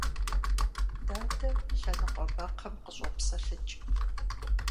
Дадэ лъэныкъуэ бэкхъым къыщӀопсэлъыкӀ.